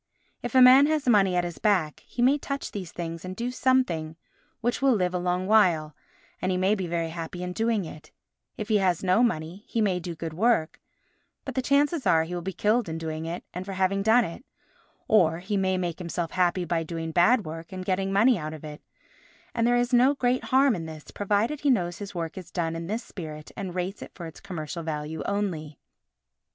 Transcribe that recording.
If a man has money at his back, he may touch these things and do something which will live a long while, and he may be very happy in doing it; if he has no money, he may do good work, but the chances are he will be killed in doing it and for having done it; or he may make himself happy by doing bad work and getting money out of it, and there is no great harm in this, provided he knows his work is done in this spirit and rates it for its commercial value only.